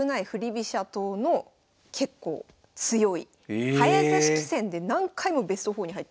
飛車党の結構強い早指し棋戦で何回もベスト４に入ってるんですよ。